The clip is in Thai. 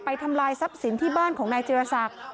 ทำลายทรัพย์สินที่บ้านของนายจิรศักดิ์